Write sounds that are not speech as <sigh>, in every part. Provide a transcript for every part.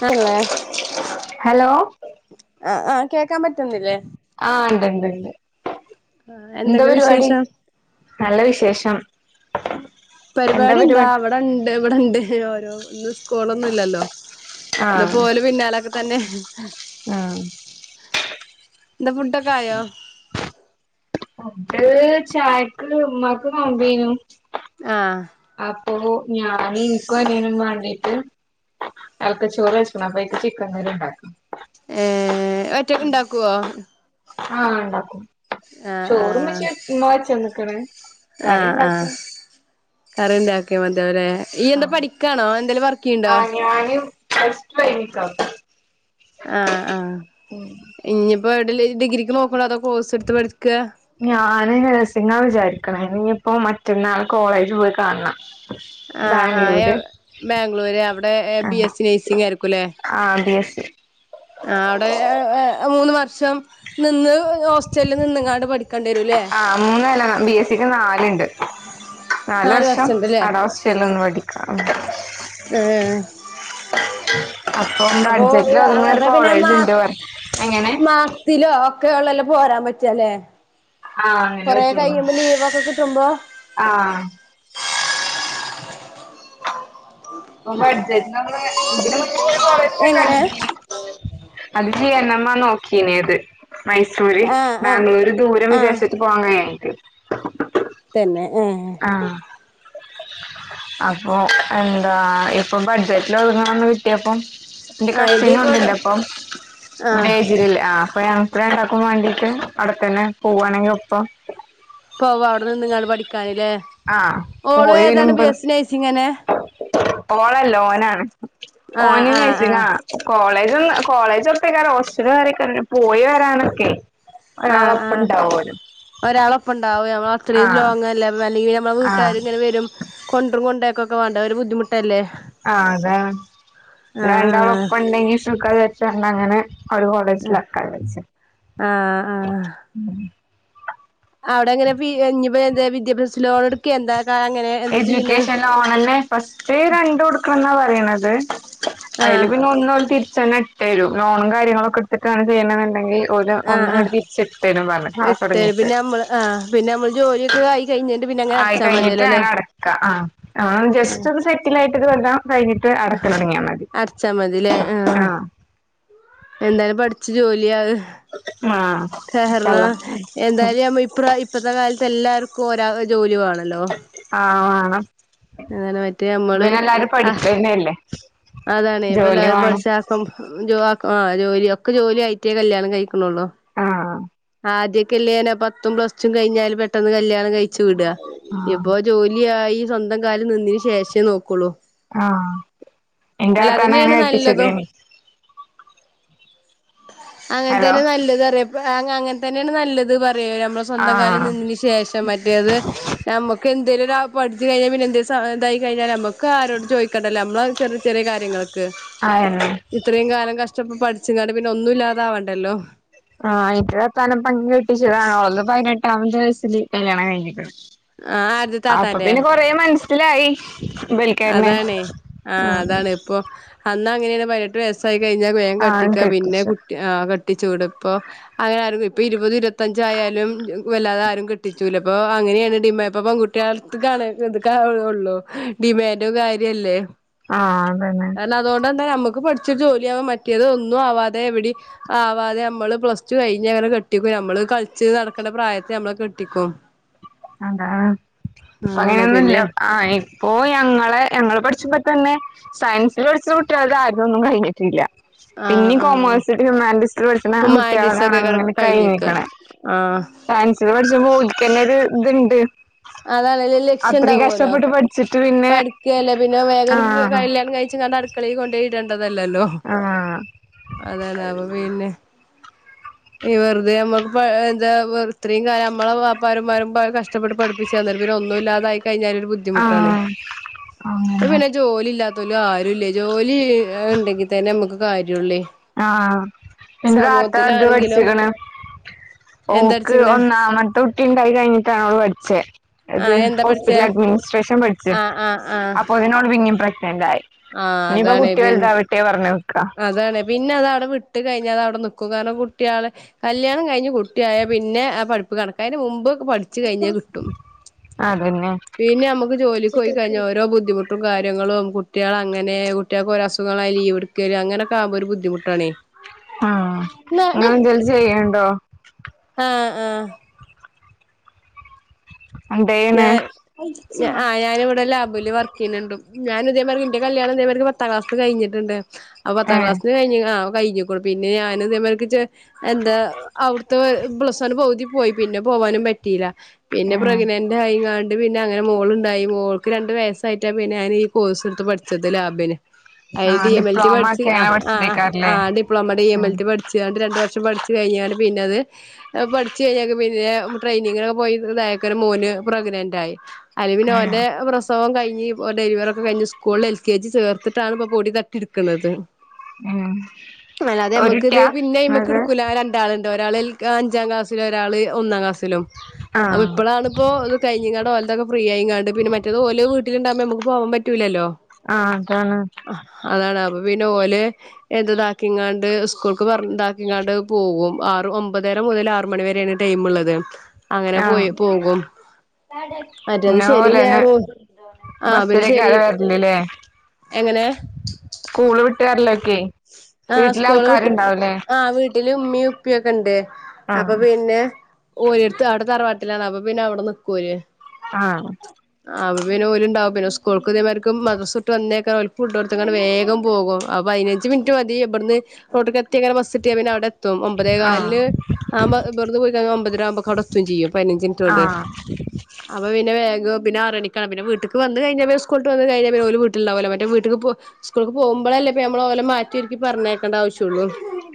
Hello hello ആഹ് ആഹ് കേക്കാൻ പറ്റുന്നില്ലേ ആഹ് ഉണ്ട്ണ്ട്ണ്ട് ആ എന്താ എന്തൊക്കെ പരിപാടി വിശേഷം നല്ല വിശേഷം പരിപാടി എന്താ അവിടെണ്ട് ഇവിടെണ്ട് ഓരോ ഇന്ന് സ്കൂളൊന്നും ഇല്ലല്ലോ ആഹ് ഇന്നിപ്പോല് പിന്നാലൊക്കെ തന്നെ ആഹ് എന്താ ഫുഡ്ഡൊക്കായോ അത് ചായക്ക് ഉമ്മാക്ക് നോമ്പീനു ആഹ് അപ്പൊ ഞാന് ഇനിക്കും അനിയനും വേണ്ടീട്ട് അയാൽക്ക് ചോറ് വെച്ചക്കണം അപ്പ അയാക്ക് ചിക്കൻ കറി ഉണ്ടാക്കും ഏ ഒറ്റയ്ക്ക് ഉണ്ടാക്കുവോ ആഹ് ഉണ്ടാക്കും ആ ചോറും <unintelligible> ഉമ്മ വച്ചന്നേക്കണ് കറി ഉണ്ടാക്കും കറിണ്ടാക്കിയാ മതിയാവൂലേ ഇയ്യ് എന്താ ആഹ് പഠിക്കാണോ എന്തെലും വർക്ക് ചെയ്യ്ണ്ടോ ആഹ് ഞാന് <inaudible> ആഹ് ആഹ് ഉം ഇനിയിപ്പോ എവിടെലും ഡിഗ്രിക്ക് നോക്ക്ണ്ടോ അതോ കോഴ്സ് ഇടുത്ത് പഠിക്കെ ഞാന് നഴ്സിങ്ങാ വിചാരിക്ക്ണെ ഇനിയിപ്പോ മറ്റന്നാള് കോളേജ് പോയി കാണണം ആഹ് ആഹ് ബാംഗ്ലൂര് ബാംഗ്ലൂര് അവിടെ ബി ആഹ് എസ് സി നഴ്സിംഗ് ആയിരിക്കുംല്ലേ ആഹ് ബി എസ് സീ ആഹ് അവിടെ ങ് മൂന്ന് വർഷം നിന്ന് ഹോസ് സ്റ്റല് നിന്ന്ങ്ങാണ്ട് പഠിക്കേണ്ടി വരും ല്ലേ ആഹ് മൂന്നല്ല ബി എസ് സിക്ക് നാല്ണ്ട് നാല് വർഷം അട പിന്നൊന്ന് വടിക്ക ഉം അപ്പം അപ്പൊ ബഡ്ജറ്റിൽ ഒതുങ്ങുന്ന ഒരു <unintelligible> പിന്നെ മ കോളേജ് ഉണ്ട് പറ എങ്ങനെ മാ തിലോ ഒക്കെ ഒള്ളെല്ലോ പോരാൻ പറ്റ ല്ലേ ആഹ് അങ്ങനെ കുറെ പറ്റുള്ളൂ കയ്യുമ്പ ലീവ് വക്കെ കിട്ടുമ്പോ ആഹ് അപ്പൊ ബഡ്ജറ്റ് ഇതിന് മുന്നേ കോളേജിൽ എങ്ങനെ കണ്ടീ അത് ജി എൻ എം ആ നോക്കീന്യത് മൈസൂര് ആഹ് ആഹ് ബാംഗ്ലൂര് ദൂരം ആഹ് വിചാരിച്ചിട് പോകാൻ കഴിയഞ്ഞിട്ട് തന്നെ ഏഹ് ആഹ് അപ്പോ <unintelligible> ആഹ് ഇപ്പൊ ബഡ്ജറ്റിൽ ഒതുങ്ങ്ണ ഒന്ന് കിട്ടിയപ്പം എന്റെ ആഹ് ഇത് ഇപ്പോടെ കസിനുണ്ടെന്റെപ്പോ എന്റെ ആഹ് എജിലിളേ ആഹ് അപ്പൊ ഞാ രണ്ടാകു മാണ്ടീട് അവിടെ തന്നെ പോവുവാണെങ്കി ഒപ്പം പോവാ അവിടെ നിന്ന്ങ്ങാണ്ട് പഠിക്കാന്ല്ലേ ആ ഓള് പോയി ഏതാണ് വരുമ്പോ ബി എസ്‌ സി നെയ്സി ഓളല്ല ഓനാണ് ആഹ് ഓന് ആഹ് ആഹ് നെയ്‌സിങാ കോളേജ് ഒന്ന് കോളേജ് ഒപ്പേക്കാര ഹോസ്റ്റൽ വേറെകാരോ പോയി വരാനൊക്കെ ആഹ് ഒരാളൊപ്പം ആഹ് ഉണ്ടാവുമല്ലോ ഒരാളപ്പണ്ടാവും ഞമ്മള് ആ അത്രയും ലോങ്ങല്ല അല്ലെങ്കി നമ്മളെ ആ വീട്ടുകാര ഇങ്ങനെ വരും കൊണ്ടും കൊണ്ടൊക്കൊക്കെ വേണ്ട ഒരു ബുദ്ധിമുട്ടല്ലേ ആഹ് അതാണ് ആഹ് രണ്ടാളൊപ്പണ്ടെങ്കി സുഖ വിചാര്ച്ചാണ്ട് അങ്ങനെ ഒരു കോളേജിലാക്കാര ആഹ് ആഹ് ആഹ് അവിടെ എങ്ങനെ ബി ഞ്ഞിപ്പോ എന്താ വിദ്യാഭ്യാസ ലോൺ എടുക്ക എന്താ അങ്ങനെ എന്താ ചെയ്യ്ണെ ലോണെന്നെ ഫസ്റ്റ് രണ്ട് കൊടുക്കണം ന്നാ പറയ്ണത് അതില് ആഹ് പിന്നെ ഒന്ന് ഓല് തിരി ച്ചന്നെ എടുത്തേരു ലോണും കാര്യങ്ങളൊക്കെ എടുത്തിട്ടാണ് ചെയ്യ്ണ എന്നുണ്ടെങ്കിൽ ഓല് ആഹ് ഒന്നിങ്ങട് ആഹ് തിരിച്ചെടുത്തരും പറഞ്ഞ് ക്ലാസ് എട്ട് തുടങ്ങിട്ട് പിന്നെ നമ്മള് ആഹ് പിന്നെ നമ്മള് ജോലി ക്കായി കഴിഞ്ഞിട്ട് പിന്നെ അങ്ങനെ ആയി അടച്ചാ കഴിഞ്ഞിട്ട് മതിയല്ലോല്ലേ ആണ് അടയ്ക്കാ ആഹ് ആഹ് ജസ്റ്റ് സെറ്റിൽ ആയിട്ട് ഒരു കെല്ല കഴിഞ്ഞിട്ട് അടക്കൽ തൊടങ്ങിയാമതി അടച്ചാ മതില്ലേ ആഹ് എന്തായാലും പഠിച്ച് ജോലിയാവ് ആഹ് ഇന്ഷാ കാരണോ അല്ലാഹ് എന്തായാലും ഞ ഇപ്പ ഇപ്പഴത്തെ കാലത്ത് എല്ലാവർക്കും ഒരാ ജോലി വാണല്ലോ ആഹ് വാണം അങ്ങെനെ ആയിട് നമ്മള് അഹ് പഠിക്കന്നെല്ലേ അതാണ് ഇപ്പൊ ജോലി എല്ലാരും വേണം പഠിച്ച ഇപ്പം ജോ ആഹ് ജോലി ഒക്കെ ജോലി ആയിറ്റേ കല്യാണം കഴി ക്ക്ണ്ള്ളു ആഹ് ആദ്യോക്കെല്ലേ പത്തും പ്ലസ്റ്റും കഴിഞ്ഞാല് പെട്ടെന്ന് കല്യാണം കഴി ച്ച് വിടാ ആഹ് ഇപ്പൊ ജോലിയായി സ്വന്തം കാലില് നിന്നേന് ശേഷേ നോക്കോള്ളു ആഹ് ഇന്റെ ആത്താന അതന്നെയാണ് അങ്ങനെ നല്ലതും കെട്ടിച്ചതയ്നി അങ്ങനെ ഹലോ തന്നെ നല്ലത് അറിയ അങ്ങനെ തന്നെയാണ് നല്ലത് പറയ സ്വന്തം കാലിൽ ആഹ് നിന്നന് ശേഷം മറ്റേത് നമ്മക് എന്തേലും പഠിച്ച കഴിഞ്ഞാ പിന്നെന്തേലും ഇതായി കഴിഞ്ഞാ നമ്മക് ക്ക ആരോട് ചോയ്ക്കണ്ടല്ലേ നമ്മള ചെറിയ ചെറിയ കാര്യങ്ങളൊക്ക് ആയെന്നെ ഇത്രയും കാലം കഷ്ടപ്പ പഠിച്ചുങ്ങാണ്ട് പിന്നെ ഒന്നും ഇല്ലാത ആവണ്ടല്ലോ ആഹ് ഇട്ട് വത്താനം പങ് കെട്ടിച്ചതാന്ന് ഓളത് പതിനെട്ടാമത്തെ വയസ്സിൽ കല്യാണം കഴിഞ്ഞിക്കണ് ആഹ് ആര്ത് അപ്പൊ താത്താന്റെ പിന്നെ കൊറേ മനസ്സിലായി ആഹ് ഇബൽക്കെന്നെ അതാണ് ആഹ് അതാണ് ഇപ്പൊ അന്ന് അങ്ങനെയാണ് പയിനട്ട് വയസായി കഴിഞ്ഞാൽ വേഗം ആഹ് കെട്ടിക്കാ പിന്നെ കെട്ടിച്ചു കുട്ടി ആഹ് കെട്ടിച്ചൂട്പ്പോ അങ്ങനെ ആരും ഇപ്പൊ ഇരുപത് ഇരുപത്തഞ്ചയാലും വല്ലാതെ ആരും കെട്ടിച്ചൂല ഇപ്പൊ അങ്ങനെയാണ് ഡിമാ ഇപ്പൊ പെൺകു കുട്ട്യേളട്ത്ത്ക്കാണ് ഇത്ക്ക ഉള്ളൂ ഡിമാൻഡോ കാര്യല്ലേ ആഹ് അതന്നെ അതൊണ്ടെന്താ നമ്മക്ക് പഠിച്ചൊരു ജോലിയാവാൻ മറ്റേത് ഒന്നു ആവാതെ എവിടി ആവാതെ നമ്മള് പ്ലസ് ടു കഴിഞ്ഞ് അങ്ങനെ കെട്ടിക്കും ഞമ്മള് കളിച്ച് നടക്കണ്ട പ്രായത്തെ നമ്മളെ കെട്ടിക്കും അതാ ആണ് പിന്നെ അങ്ങനെയാന്നല്ലോ ആഹ് ഇപ്പോ ഞങ്ങളെ ഞങ്ങള് പഠിച്ചപ്പോ തന്നെ സയൻസിൽടിച്ച കുട്ടികളത് ആരതൊന്നും കഴിഞ്ഞിട്ടില്ല ആഹ് പിന്നിം ആഹ് കോമേഴ്സ് ഹ്യൂമാന്റിസ്സിൽ പഠിച്ണ ഇപ്പൊ കുട്ടികളതാണ് മാൻഡീസൊക്കെ അങ്ങനെ കഴിഞ്ഞിക്ക കഴിഞ്ഞിക്കണേ ആഹ് സൈൻസിൽ പഠിച്ച് ഓലിക്കന്നെത് ഇതുണ്ട് അതാണല്ല ലക്ഷ്യം ഇണ്ടാവലോ പഠിച്ചിട്ട് പിന്നെ പടുക്കുകയല്ലേ പിന്നെ വേഗം ഒരു ആഹ് കല്യാണം കഴിച്ച കണ്ട് അടുക്കളയിൽ കൊണ്ടയി ഇടേണ്ടതല്ലല്ലോ ആഹ് അതന്നാ അപ്പൊ പിന്നെ ഈ വെറുതെ നമുക്ക് എന്താ വെത്രയും കം നമ്മളെ വാപ്പാരന്മാരും കഷ്ടപ്പെട്ട് പടിപ്പിക്ക പി ഒന്നും ഇല്ലാതായി കഴിഞ്ഞല് ഒരു ബുദ്ധിമുട്ടാണ് ആഹ് പ്പം അങ്ങനെ പിന്നെ ജോലി ഇല്ലാത്തലും ആരുംല്ലേ ജോലി ഉണ്ടെങ്കി തന്നെ നമുക്ക് കാര്യള്ളേ ആഹ് പിന്റെ താത്ത അത് സമൂഹത്തിലാണെങ്കിലും പഠിച്ചിക്കണ് എന്താ ഓക്ക് പഠിച്ചിക്കണേ ഒന്നാമത്തെ കുട്ടി ഉണ്ടായി കഴിഞ്ഞിട്ടാണ് ഓള് പഠിച്ചേ അത് ആഹ് എന്താ ഹോസ്പിറ്റൽ പഠിച്ചേ അഡ്മിനിസ്ട്രേഷൻ പഠിച്ചു ആഹ് ആഹ് ആഹ് അപ്പൊ അതിനോട് പിന്നിം പ്രഗ്നറ് ആയി ആഹ് ഇനിയിപ്പ അതാണ് കുട്ടി പിന്നെ വല്തവിട്ടെ പറഞ് നിക്കാ അതാണ് പിന്നെ അതവിടെ വിട്ട് കഴിഞ്ഞാ അത് അവിടെ നിക്കും കാരണം കുട്ടികൾ കല്യാണം കഴിഞ്ഞ് കുട്ടിയായ പിന്നെ ആ പഠിപ്പ് കണക്ക അയ്ന് മുമ്പ് പഠിച്ചു കഴിഞ്ഞാ കിട്ടും അതന്നെ പിന്നെ നമുക്ക് ജോലിക്ക് പോയി കഴിഞ്ഞാ ഓരോ ബുദ്ധിമു മും കാര്യങ്ങളും കുട്ടികളങ്ങനെ കുട്ടികൾക്ക് ഒരസുഖങ്ങളായി ലീവ് എടുക്ക അങ്ങനൊക്കെവുമ്പോ ഒരു ബുദ്ധിമുട്ടണേ ആഹ് അങ്ങെന്തലും ചെയ്യണ്ടോ ആഹ് ആഹ് എന്തെയ്യ്ണ് ഞാൻ ആഹ് ഞാനവിടെ ലാബില് വർക്ക് ചെയ്യുന്നുണ്ട് ഞാ ഇതേമാർക്ക് എന്റെ കല്യാണം മാ പത്താം ക്ലാസ് കഴിഞ്ഞിട്ടുണ്ട് അപ്പ പത്താം ഏഹ് ക്ലാസിന് കഴി ആ കഴിഞ്ഞിക്ക പിന്ന ഞാൻ ഇക്ക് എന്താ അവിടുത്തെ പ്ലസ് വൺ പൗതി പോയി പിന്നെ പോവാനും പറ്റിയില്ല പിന്നെ ഏഹ് പ്രഗ്നന്റെ കൈങ്ങാണ്ട് പിന്നെ അങ്ങനെ മോളുണ്ടായി മോൾക്ക് രണ്ട് വയസായിട്ടാപ്പ ഞാന് കോഴ്സ എടുത്ത് പഠിച്ചത് ലാബിന് അത് ആഹ് D M L T diploma പഠിച്ച് ഒക്കെ അങ്ങനെ ആഹ് ആഹ് പഠിച്ചതേക്കാരല്ലേ ആഹ് ഡിപ്ലോമ ഡി എം ഉം എൽ ടി പഠിച്ച പണ്ട് രണ്ടു വർഷം പഠിച്ചു കഴിഞ്ഞാണ് പിന്നത് പഠിച്ച് കഴിഞ്ഞാൽ പിന്നെ ട്രെയിനിങ്ങിനൊക്കെ പോയി ഇതായൊ ഒരു മോന് പ്രഗ്നന്റ് ആയി അല്ല പിന്നെ ഉം അവ പ്രത്സവം കഴിഞ് ഇ ഡെലിവറൊക്കെഴിഞ്ഞ് സ്കൂളിൽ എൽ കെ ജി ചേർത്തിട്ടാണ് ഇപ്പ പൊടി തട്ടിശയടുക്കുന്നത് ഉം അല്ലാതെ ഒരു നമുക്ക് ഇത് കുട്ടിയാ പിന്നെ ഇമക്ക് ഇങ്ങക്ക് ഇടുക്കല ഒളുണ്ട് ഒരാള് അഞ്ചാം ക്ലാസ്സിലും ഒരാള് ഒന്നാം ക്ലാസ്സിലും അപ്പൊ ആഹ് ഇപ്പോളാണ് ഇപ്പോ കഴിഞ്ഞ്ങ്ങാണ്ട് ഓലത്തൊക്കെ ഫീ ആയിങ്ങണ്ട് പിന്നെ മറ്റത് ഓലോീിലണ്ടാുമ്പോ നമുക്ക് പോവാൻ പറ്റൂലല്ലോ ആഹ് അതാണ് അതാണ് അപ്പൊ പിന്നെ ഓലെ എന്തതാക്കി ഇങ്ങാണ്ട് സ്കൂൾക്ക് പറതാക്കി ഇങ്ങാണ്ട് പോകും ആറ് ഒമ്പതര മുതൽ ആറ് മണിവരെയാണ് ടൈമ് ഉള്ളത് അങ്ങനെ ആഹ് പോയി പോകും മറ്റേത് ഇങ്ങളെ ശനി പോലെന്നെ നേറും ആഹ് പിന്നെ ശനി ബസ്സിലേക്കാരം വരല്ല്ലേ എങ്ങനെ സ്കൂള് വിട്ടുകാരലോക്കെ വീട്ടിലെ ആൾക്കാര്ണ്ടാവല്ലേ വീട്ടില ഉമ്മി ഉപ്പിയൊക്കെ ഉണ്ട് അപ്പൊ ആഹ് പിന്നെ ഓരിടുത്ത് അവിടെ തറവാട്ടിലാണ് അപ്പൊ പിന്നെ അവിടെ നിക്കുഅവര് ആഹ് ആഹ് പിന്നെ ഓല് ഉണ്ടുംന്നെ സ്കൂൾക്ക് തിൻമാർക്കും മദ്രസ് വിട്ട്ന്നേക്ക അങ്ങ വേഗം പോകും അപ്പൊ അതിനഞ്ച് മിനിറ്റ് മതി എവിടുന്ന് റോട്ടിൽ എത്തി അങ്ങനെ മസ്ട്ട പിന്നെ അവിടെ ആഹ് ഒമ്പതേകാൽന് ആഹ് വെറുെയിക്ക അമ്പതിരരാകുമ്പൊക്ക കടത്തും ചെയ്യും പതിനഞ്ച് മീനിട്ടോണ്ട് ആഹ് <inaudible> അപ്പ പിന്ന വേഗം പിന്നാറണിക്കണം പിെ വീട്ടക്ക് വന്ന് കഴിഞ്ഞാൽ സ്കൂള് വന്ന് കഴിഞ്ഞ ഓ വീട്ടിലണ്ടാവുമോ മറ്റേ വീട്ട്ക്ക് സ്കൂളക്ക് പോകുമ്പോളല്ലേ നമ്മള് ഓലെ മാറ്റി ഒരിക്കി പറഞ്ഞേക്കണ്ട ആവശ്യുള്ളു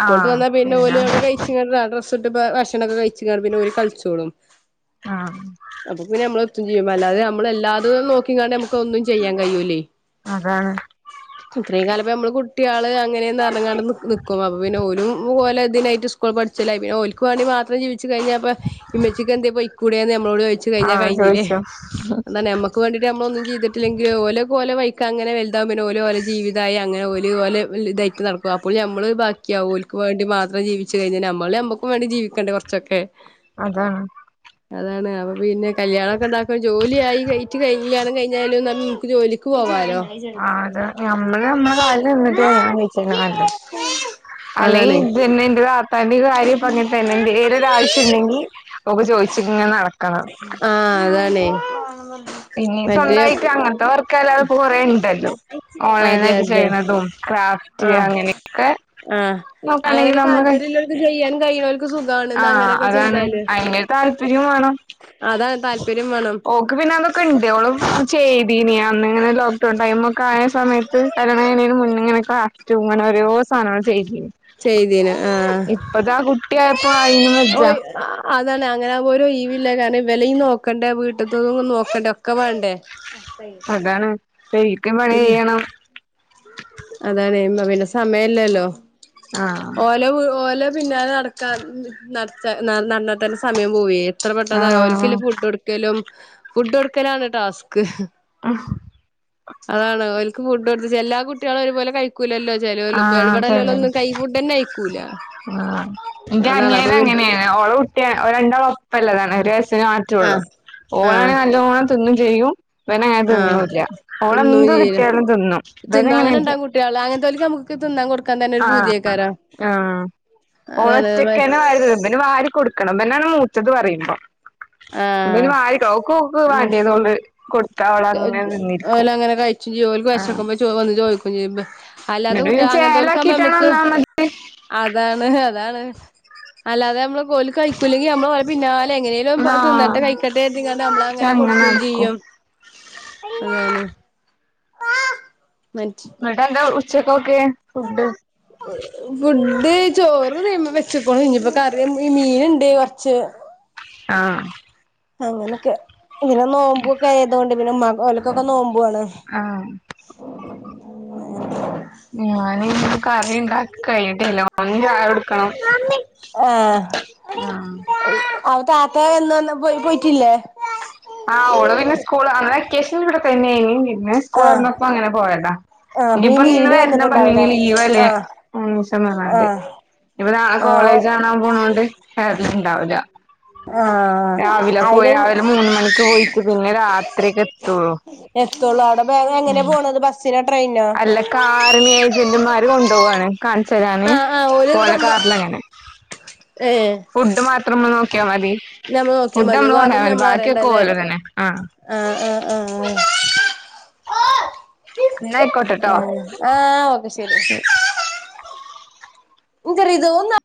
സ്കൂള്ട്ട് വന്നാ പിന്നെ പോലും അവി കഴ്ച്ച് ക ഡ്രസ് ഇട്ട് ഭക്ഷണൊക്കെ കഴിച്ചു കാ പിന്നെ ഒരുര് കളിച്ചോളും ആഹ് അപ്പൊ പിന്നെ നമ്മള ഒത്തും ചെയ്യും അല്ലാതെ നമ്മളല്ലാതെ നോക്കിക്കണ്ട് നമുക്ക് ഒന്നും ചെയ്യാൻ കഴിയൂലെയ് അതാണ് ഇത്രയും കാലം ഇപ്പ നമ്മള് കുട്ടിയാണ് അങ്ങനെയർഞ്ഞാങ്ങാണ്ട് നിക്കുണ് അപ്പ പിന്നെ ഒരു പോലെ ഇതിനായിട്ട് സ്കൂൾ പഠിച്ചില്ലേ പിന്നെ ഒരുക്ക് വേണ്ടി മാത്രം ജീവിച്ചു ച്ചു കഴിഞ്ഞപ്പ ഇമ്മച്ചിക്ക് എന്തേ പൊയ്ക്കൂടെന്ന് നമ്മളോട് ചോയിച്ച് കഴിഞ്ഞാ ആഹ് കഴിഞ്ഞില്ലേ ചോയിച്ചോ എന്താണ് നമ്മക്ക് ക്ക് വേണ്ടിയിട്ട് നമ്മളൊന്നും ചെയ്തിട്ടില്ലെങ്കിൽ ഓലപോലെ വയ്ക്ക് അങ്ങനെ വലുതാവും പിന്നെ ഓല് ഓരെ ജീവിതായി അങ്ങനെ ഓല് ഓല് ഡൈറ്റ് നടക്കും അപ്പോൾ നമ്മള് ബാക്കിയാവോലക്ക് വേണ്ടി മാത്രം ജീവിച്ചു കഴിഞ്ഞാൽ നമ്മള് നമ്മക്കും വേണ്ടി ജീവിക്കണ്ടേ കൊറ ച്ചൊക്കെ അതാണ് അതാണ് അപ്പൊ പിന്നെ കല്യാണമൊക്കെ ഉണ്ടാക്കും ജോലിയായി കഴിഞ്ഞിട്ട് കല്യാണം കഴിഞ്ഞാലും നമ്മക്ക് ജോലിക്ക് പോകാലോ ആഹ് അത് നമ്മള് നമ്മടെ കാലിൽ നിന്നിട്ട് കല്യാണം കഴിച്ചെ നല്ലത് അതാണേ അല്ലെങ്കിൽ ന്നെന്റെ താത്താന്റെ കാര്യം പങ്ങൻതന്നെ എന്തേലൊരാവശ്യണ്ടെങ്കിൽ ഒക്കെ ചോദിച്ചിക്കിങ്ങനെ നടക്കണം ആഹ് അതാണേയ് ഇനി സ്വന്തമായിട്ട് അങ്ങൻത്തെ വർക്കല്ലാ ഇപ്പ കുറെ ഉണ്ടല്ലോ ഓൺലൈൻ അതെ ആയിട്ട് അതെ ചെയ്യുന്നതും ക്രാഫ് ആഹ് അങ്ങനെയൊക്കെ നോക്കയാണെങ്കിൽ നമ്മള് അത് ചെയ്യാൻ കഴിയുന്നവർക്ക് സുഖാണ് ഇന്ന് ആഹ് അങ്ങനൊക്കെ അതാണ് ചെയ്താല് അതിന് താല്പര്യം വേണം അതാണ് താല്പര്യം വേണം ഓക്ക് പിന്നെ അതൊക്കെ ഇണ്ട്യോളും ചെയ്തീനി അന്ന് അങ്ങനല്ലോ കിട്ടോ ടൈമും ഒക്കെ ആയ സമയത്ത് കരണ കഴണന് മുന്നിങ്ങനൊക്കെ അറ്റുംങ്ങന ഓരോ സാധനങ്ങൾ ചെയ്യിക്കെ ചെയ്തീന് ആഹ് ഇപ്പതാ കുട്ട്യായപ്പോ അയിനും വെജ ഓയ് അതാണ് അങ്ങനാവുമ്പോ ഒരോയ് വില്ല കാരണം ഇവലെയിനോക്കണ്ടേ വീട്ട്തത്തും നോക്കണ്ടേ ഒക്കെ മാണ്ടേ ആഹ് അതാണ് <unintelligible> ക്കും പണി ചെയ്യണം. അതാണ് ഇന്ന പിന്നെ സമയല്ലല്ലോ ആഹ് ഓലവ് ഓല പിന്നാലെ നട ടക്കാൻ ൻ നടത്താ ന നടന്ന തന്നെ സമയം പോവേ എത്ര പെട്ടെന്നാ ആഹ് ഓല്ക്ക്ല്ലെ ഫുഡ് കൊട് ക്കലും ഫുഡ് കൊട്ക്കലാണ് ടാസ്ക് അതാണ് ഓല് ക്ക് ഫുഡ് കൊട്ത്ത് <unintelligible> എല്ലാ കുട്ട്യെളൊരുപോലെ കഴി ക്കൂലല്ലോ ചിലോല് ബെടെ ആഹ് ശരി ഇബടെല്ലോലൊന്നും കഴി ഫുഡെന്നയിക്കൂല ആഹ് ഇന്റെ അനിയന് അങ്ങനെണ് ഓളെ കുട്ട്യാ ഒരണ്ടാളും ഒപ്പല്ലതാണ് ഒരു വയസ്സിന് മാറ്റൊള്ളൂ ആഹ് ഓളാണെ ആഹ് നല്ലോണം ത് തിന്നും ചെയ്യും ഇവനങ്ങനെ ആഹ് തിന്നൂല്ല തിന്നും ഓളെന്ത് കിട്ട്യാലും തിന്നും ഇബനങ്ങനെല്ല ട്ട്യേള് അങ്ങൻത്തൊൽ കമ്മക്ക് ക്ക് തിന്നാൻ കൊട്ക്കാൻ തെന്നൊരു ആഹ് പൂത്യേക്കാരം ആഹ് അതാണ് മ ഓളൊറ്റക്കന്നെ വാരി തിന്നും ഇബന് വാരി കൊട്ക്കണം ഇബനാണ് മൂത്തത് പറയുമ്പം ഇബന് ആഹ് വരിക്ക ഓക്ക് ഓക്ക് വാണ്ട്യേതോള് കൊട്ക്കാ <unintelligible> ഓലങ്ങനെ കഴിച്ച് യ്യോ ഓല്ക്ക് ആഹ് വെശക്കുമ്പോ ചോറ് വന്ന് ചോയ്ക്കും ചെയ്യും ബെ അല്ലാതെ എന്നിട്ട് കുട്ടി പിന്നെ അങ്ങൻത്തോല്ക്കാവുമ്പോ ചേലാക്കിട്ടാണ് അമ്മക്ക് ഒന്നാമത് അതാണ് അതാണ് അല്ലാതെ അമ്മള് ഓല് കഴിക്കൂല്ലെങ്കി അമ്മള് ഓലെ പിന്നാലെ എങ്ങനെലാവുമ്പം അത് ആഹ് തിന്നട്ടെ കഴിക്കട്ടെര്തിക്കാണ്ട് അമ്മളങ്ങനെ ച്ചങ്ങനെ കൊട്ക്കും നടക്കും ചെയ്യും. അതാണ് മറ്റ് ന്നട്ടെന്താ ഉച്ചക്കൊക്കെ ഫുഡ് ഫുഡ് ചോറ് തീമേ വെച്ച്ക്കുണു ഇഞ്ഞിപ്പ ക <unintelligible> ഈ മീന്ണ്ട് കൊർച്ച് ആഹ് അങ്ങനെക്കെ പിന്നെ നോമ്പൊക്കായതോണ്ട് പിന്നെ ഇമ്മാക്ക് ഓല്ക്കൊക്കെ നോമ്പ്വാണ്. ആഹ് ന <unintelligible> ഞാനയ്ന് കറിണ്ടാക്കി കഴിഞ്ഞിട്ടില്ല. ഓന് ചായോട്ക്കണം ആഹ് ആ താത്ത എന്ന വന്ന് പോയി പോയിട്ടില്ലേ? ആഹ് ഓള് പിന്നെ സ്കൂള് അന്ന് വെക്കേഷന് ഇവടെ തെന്നെനി പിന്നെ ആഹ് സ്കൂളൊർന്നപ്പോ അങ്ങനെ പോയതാ. ആഹ് അപ്പൊ ഈ എങ്കിപ്പൊ ഇന്ന് ലീവില് വെര്ണം വന്നിട്ടുണ്ടാവൂല പർഞ്ഞിനി ലീവല്ലേ ആഹ് മൂന്നൂസം പർഞ്ഞാണ്ട്. ആഹ് ഇഞ്‌പ്പൊ നാളെ ആഹ് കോളേജാണാൻ പോണോണ്ട് വെര്ല്ണ്ടാവൂല്ല. ആഹ് രാവിലെ പോയ അയില് രാവിലെ മൂന്ന് മണിക്ക് പോയിട്ട പിന്നെ രാത്രിക്കെത്തൊള്ളു. എത്തൊള്ളൂ അവടെ ബ എങ്ങനെ പോണത് ബസ്സി അല്ല കാറിന് ഏജൻ്റ്മാര് കൊണ്ടോവാണ്. കാണ്ച്ചരാന് ആഹ് ആഹ് ഓല് ഓലെ കൊണ്ട് കാറിലങ്ങനെ ഏഹ് ഫുഡ് മാത്രം അമ്മള് നോക്ക്യാ മതി ഞമ്മള് നോക്കിയാ മതി ഫുഡമ്മള് കൊണ്ടേയാ വേറൊന്നും മതി ഞമ്മള് ബാക്ക്യൊക്കെ അറിയണ്ടല്ലേ ഓല് തന്നെ ആഹ് ആഹ് ആഹ് ആഹ് ന്നയ്ക്കോട്ടട്ടോ ആഹ് ആഹ് ഓക്കെ ശരി ഇ ശ ഇതൊന്ന